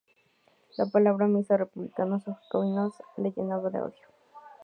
La palabra misma "Republicanos" o "Jacobinos" la llenaba de odio.